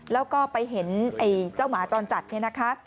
แล้วก็ไปเห็นไอ้เจ้าหมาจรจัดเนี่ยนะคะ